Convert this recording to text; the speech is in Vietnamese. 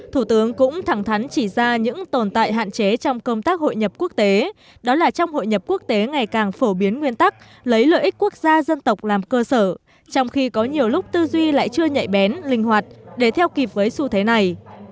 thủ tướng cũng thẳng thắn chỉ ra những tồn tại hạn chế trong công tác hội nhập quốc tế đó là trong hội nhập quốc tế ngày càng phổ biến nguyên tắc lấy lợi ích quốc gia dân tộc làm cơ sở trong khi có nhiều lúc tư duy lại chưa nhạy bén linh hoạt để theo kịp với xu thế này